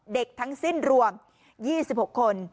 เด็กทั้งสิ้นรวม๒๖คน